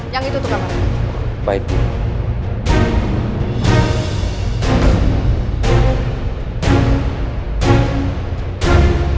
yang itu tuh kamarnya